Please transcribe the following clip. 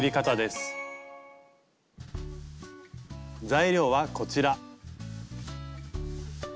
材料はこちら。